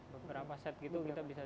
beberapa set gitu kita bisa